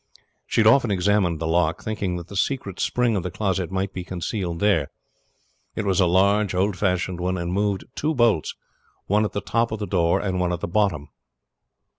She had often examined the lock, thinking that the secret spring of the closet might be concealed here. It was a large old fashioned one, and moved two bolts, one at the top of the door and one at the bottom.